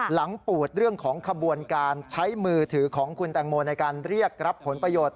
ปูดเรื่องของขบวนการใช้มือถือของคุณแตงโมในการเรียกรับผลประโยชน์